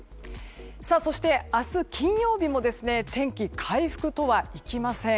そして、明日金曜日も天気回復とはいきません。